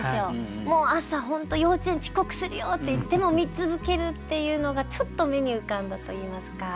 もう朝本当幼稚園遅刻するよって言っても見続けるっていうのがちょっと目に浮かんだといいますか。